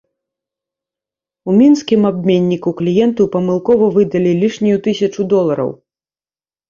У мінскім абменніку кліенту памылкова выдалі лішнюю тысячу долараў.